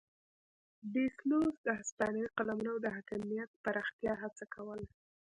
ډي سلوس د هسپانوي قلمرو د حاکمیت پراختیا هڅه کوله.